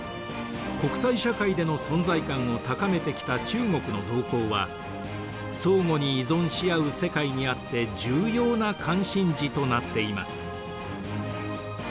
国際社会での存在感を高めてきた中国の動向は相互に依存し合う世界にあって重要な関心事となっています。